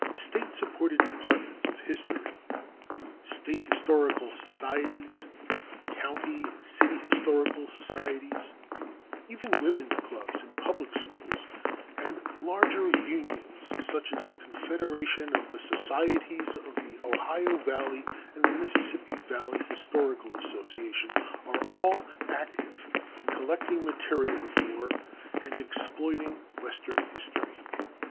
State supported departments of history, State historical societies, county and city historical societies, even women's clubs and public schools, and larger unions such as the confederation of the societies of the Ohio Valley and the Mississippi Valley Historical Association, are all active in collecting material for and exploiting western history.